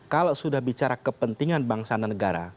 kalau sudah bicara kepentingan bangsa dan negara